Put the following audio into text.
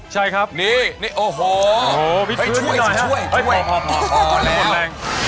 ใช่ครับนี่โอ้โหเผ่ยช่วยช่วยพอเล่า